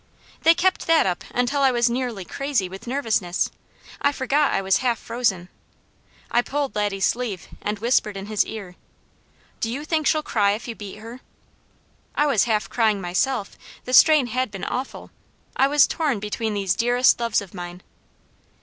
They kept that up until I was nearly crazy with nervousness; I forgot I was half frozen. I pulled Laddie's sleeve and whispered in his ear: "Do you think she'll cry if you beat her?" I was half crying myself, the strain had been awful. I was torn between these dearest loves of mine.